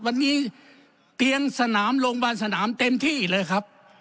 วันนี้เตียงสนามโรงพยาบาลสนามเต็มที่เลยครับ